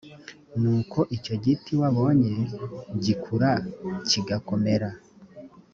ni uko icyo giti wabonye gikura kigakomera